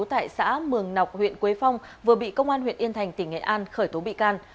tại xã mường nọc huyện quế phong vừa bị công an huyện yên thành tỉnh nghệ an khởi tố bị can